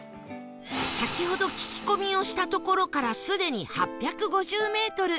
先ほど聞き込みをした所からすでに８５０メートル